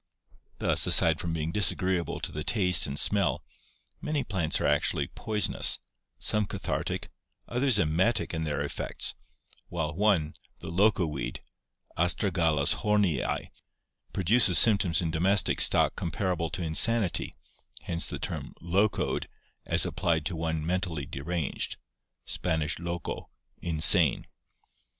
Thus, aside from being disagreeable to the taste and smell, many plants are actually poisonous, some cathartic, others emetic in their effects, while one, the loco weed (Astragalus hornii) produces symptoms in domestic stock comparable to insanity, hence the term "locoed" as applied to one mentally deranged (Span, loco, insane).